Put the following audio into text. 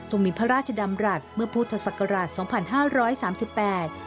มีพระราชดำรัฐเมื่อพุทธศักราชสองพันห้าร้อยสามสิบแปด